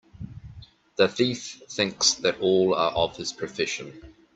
The thief thinks that all are of his profession